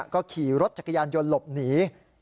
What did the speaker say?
ก็ขี่รถจักรยานยนต์หลบหนี